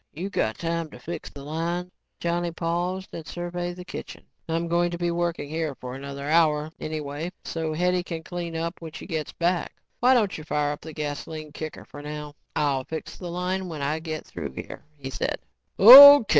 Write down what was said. You got time to fix the line?" Johnny paused and surveyed the kitchen. "I'm going to be working here for another hour anyway so Hetty can clean up when she gets back. Why don't you fire up the gasoline kicker for now and I'll fix the line when I get through here," he said. "O.